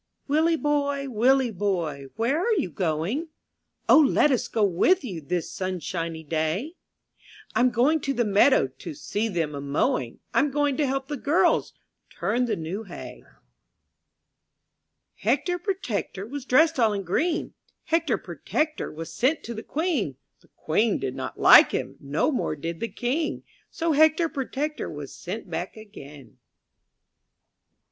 T\/^ILLIE boy, Willie boy, ^^ Where are you going? O, let us go with you. This sunshiny day. Tm going to the meadow, To see them a mowing,, I'm going to help the girls Turn the new hay. TJr ECTOR Protector was dressed all in green ;■ Hector Protector was sent to the Queen; The Queen did not like him. No more did the King; So Hector Protector was sent back again.